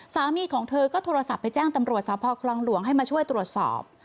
สามีของเธอก็โทรศัพท์ไปแจ้งตำรวจสพคลองหลวงให้มาช่วยตรวจสอบ